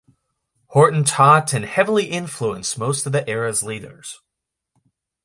Horton taught and heavily influenced most of the era's leaders.